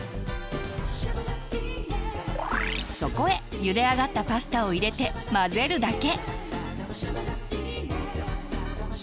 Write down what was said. そこへゆで上がったパスタを入れて混ぜるだけ。